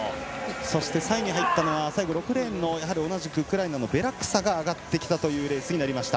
そして３位に入ったのは６レーンの同じくウクライナのベラクサが上がってきたというレースになりました。